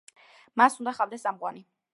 მას უნდა ჰყავდეს წამყვანი.